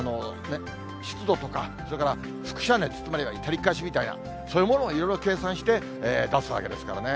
湿度とか、それから輻射熱、つまりは照り返しみたいな、そういうものもいろいろ計算して出すわけですからね。